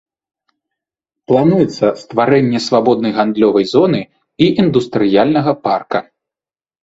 Плануецца стварэнне свабоднай гандлёвай зоны і індустрыяльнага парка.